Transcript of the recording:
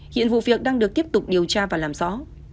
hiện vụ việc đang được tiếp tục điều tra và làm rõ